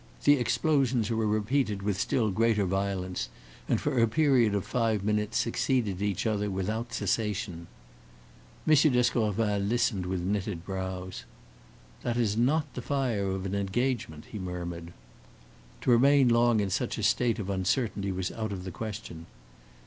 The explosions were repeated with still greater violence, and for a period of five minutes succeeded each other without cessation. M. d'Escorval listened with knitted brows. "That is not the fire of an engagement," he murmured. To remain long in such a state of uncertainty was out of the question.